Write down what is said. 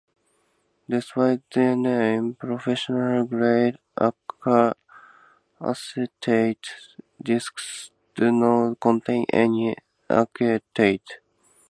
Despite their name, professional grade "acetate" discs do not contain any acetate.